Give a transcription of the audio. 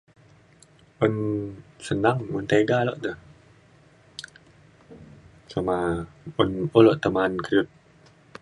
Un senang, un tega lokte, coma un un lokte ma'an keriut.